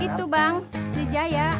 itu bang si jaya